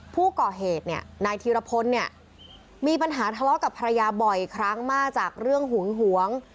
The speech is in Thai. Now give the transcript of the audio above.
ผู้ก่อเหตุเนี่ยนายธีรพลเนี่ยมีปัญหาทะเลาะกับภรรยาบ่อยครั้งมากจากเรื่องหึงหวง